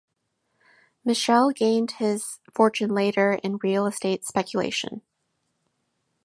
Michel gained his fortune later in real estate speculation.